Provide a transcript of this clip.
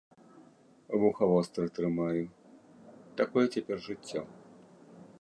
Вуха востра трымаю, такое цяпер жыццё.